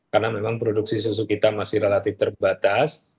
karena memang produksi susu kita masih relatif terbatas